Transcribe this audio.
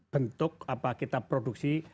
bentuk kita produksi